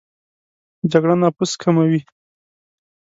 جګړه نفوس کموي